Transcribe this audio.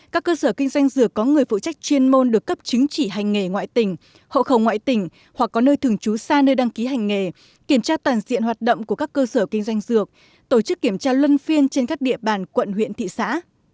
các cơ sở kinh doanh dược có người phụ trách chuyên môn được cấp chứng chỉ hành nghề ngoại tỉnh hậu khẩu ngoại tỉnh hoặc có nơi thường trú xa nơi đăng ký hành nghề kiểm tra toàn diện hoạt động của các cơ sở kinh doanh dược tổ chức kiểm tra luân phiên trên các địa bàn quận huyện thị xã